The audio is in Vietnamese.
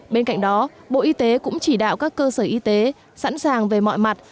bên cạnh đó bộ y tế cũng chỉ đạo các cơ sở y tế sẵn sàng về mọi mặt